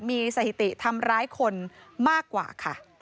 มีสถิติทำร้ายคนมากกว่าค่ะ